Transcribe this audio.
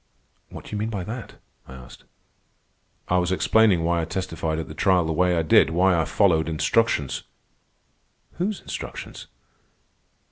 "What do you mean by that?" I asked. "I was explaining why I testified at the trial the way I did—why I followed instructions." "Whose instructions?"